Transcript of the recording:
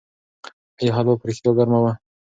آیا هلوا په رښتیا ګرمه وه؟